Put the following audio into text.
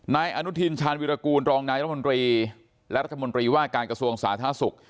นายอนุทินชาญวิรากูลรองนายรัฐมนตรีและรัฐมนตรีว่าการกระทรวงสาธารณสุข